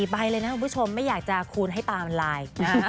ใบเลยนะคุณผู้ชมไม่อยากจะคูณให้ตามันลาย